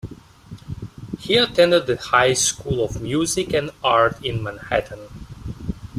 He attended The High School of Music and Art in Manhattan.